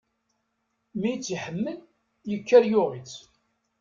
Mi i tt-iḥemmel, yekker yuɣ-itt.